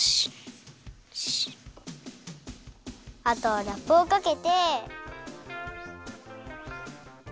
あとはラップをかけて。